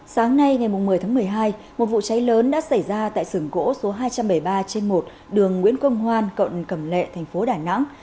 sáng nay ngày một mươi tháng một mươi hai một vụ cháy lớn đã xảy ra tại sửng gỗ số hai trăm bảy mươi ba trên một đường nguyễn công hoan cận cầm lệ tp đà nẵng